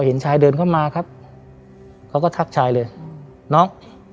เห็นชายเดินเข้ามาครับเขาก็ทักชายเลยน้อง